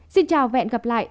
xin chào và hẹn gặp lại